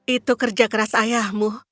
itu kerja keras ayahmu